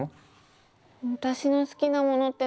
私の好きなものって何だろう。